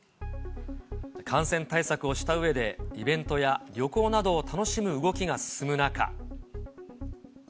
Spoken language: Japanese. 感染対策をしたうえで、イベントや旅行などを楽しむ動きが進む中。